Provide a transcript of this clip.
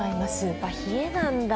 やっぱ冷えなんだ。